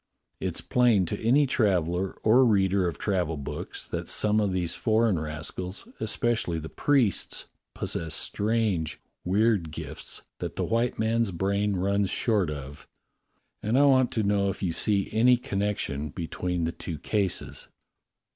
It's plain to any traveller or reader of travel books that some of these foreign rascals, especially the priests, possess strange, weird gifts that the white man's brain runs short of, and I want to know if you see any con nection between the two cases."